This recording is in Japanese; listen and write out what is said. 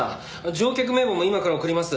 乗客名簿も今から送ります。